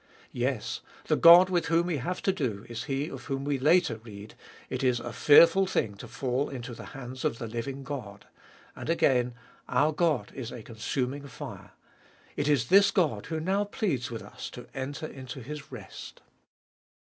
Yes, the God with whom we have to do is He of whom we later read :" It is a fearful thing to fall into the hands of the living God." And again: "Our God is a consuming fire." It is this God who now pleads with us to enter into His rest.